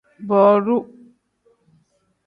Boduu.